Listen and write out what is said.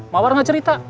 mawar nggak cerita